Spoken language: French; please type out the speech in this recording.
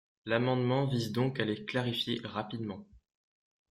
L’amendement vise donc à les clarifier rapidement.